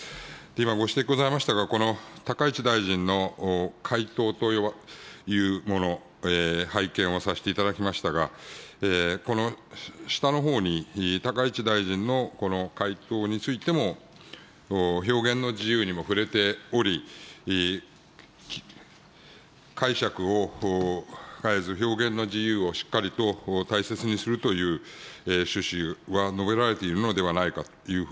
今、ご指摘ございましたが、この高市大臣の回答というもの、拝見をさせていただきましたが、この下のほうに高市大臣のこの回答についても、表現の自由にも触れており、解釈を変えず、表現の自由をしっかりと大切にするという趣旨は述べられているのではないかというふうに考えられるかと思います。